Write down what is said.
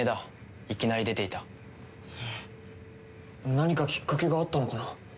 何かきっかけがあったのかな？